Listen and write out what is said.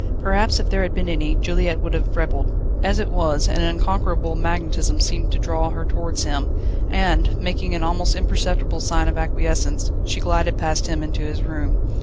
Perhaps if there had been any, Juliette would have rebelled. As it was, an unconquerable magnetism seemed to draw her towards him, and, making an almost imperceptible sign of acquiescence, she glided past him into his room.